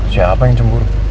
siapa yang cemburu